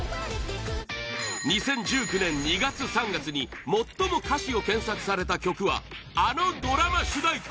２０１９年２月、３月に最も歌詞を検索された曲はあのドラマ主題歌